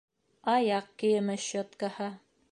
Аяҡ кейеме щеткаһы.